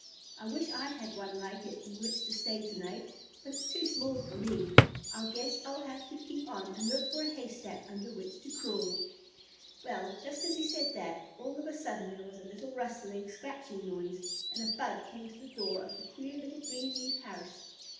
I wish I had one like it in which to stay to night. But it's too small for me. I guess I'll have to keep on and look for a haystack under which to crawl." Well, just as he said that, all of a sudden there was a little rustling, scratching noise, and a bug came to the door of the queer little green leaf house.